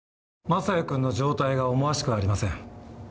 雅也君の状態が思わしくありません。